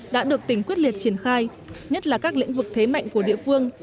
đã được tỉnh quyết liệt triển khai nhất là các lĩnh vực thế mạnh của địa phương